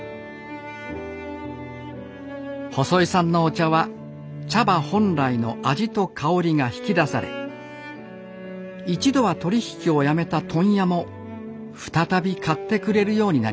細井さんのお茶は茶葉本来の味と香りが引き出され一度は取り引きをやめた問屋も再び買ってくれるようになりました